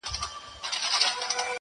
o نیمه پېړۍ و جنکيدلم پاچا,